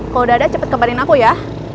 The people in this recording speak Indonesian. kalau udah ada cepet kebarin aku ya